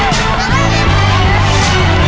สวัสดีครับ